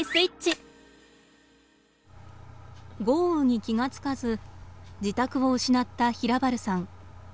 豪雨に気がつかず自宅を失った平原さん。